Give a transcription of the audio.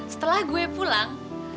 setelah gue pulang